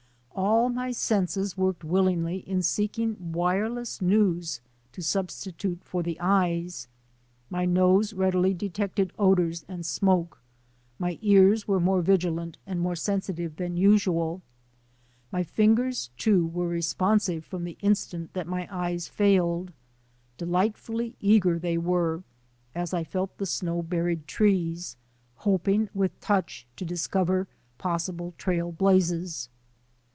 All my senses worked willingly in seeking wire less news to substitute for the eyes. My nose readily detected odours and smoke. My ears were more vigilant and more sensitive than usual. My fingers, too, were responsive from the instant that my eyes failed. Delightfully eager they were, as I felt the snow buried trees, hoping with touch to discover possible trail blazes.